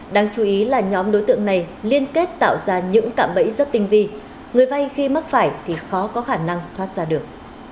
đáng chú ý là nhóm đối tượng này liên kết tạo ra những cạm bẫy rất tinh vi người vay khi mắc phải thì khó có khả năng thoát ra được